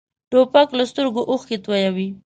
توپک له سترګو اوښکې تویوي.